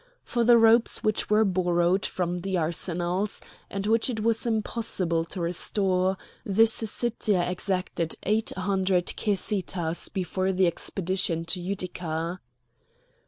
For the ropes which were borrowed from the arsenals, and which it was impossible to restore, the Syssitia exacted eight hundred kesitahs before the expedition to Utica."